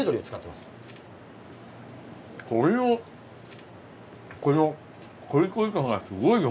鶏のこのコリコリ感がすごいよ